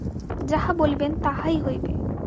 যাহা বলিবেন তাহাই হইবে।